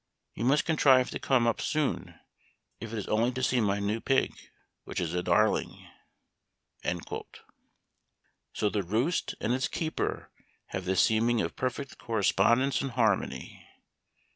You must contrive to come up soon if it is only to see my new pig, which is a darling." So the " Roost " and its keeper have the seeming of perfect correspondence and harmony.